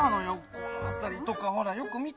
このあたりとかほらよく見てよ。